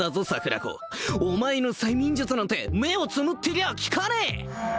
桜子お前の催眠術なんて目をつむってりゃ効かねえ！